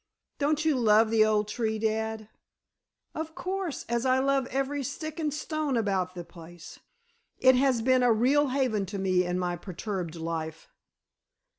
Don't you love the old tree, dad?" "Of course, as I love every stick and stone about the place. It has been a real haven to me in my perturbed life."